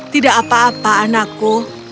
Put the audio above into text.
tidak apa apa anakku